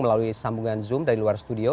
melalui sambungan zoom dari luar studio